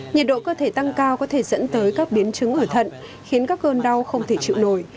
nhiệt độ cơ thể tăng cao có thể dẫn tới các biến chứng ở thận khiến các cơn đau không thể chịu nổi